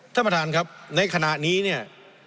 ท่านประธานครับในขณะนี้เนี่ย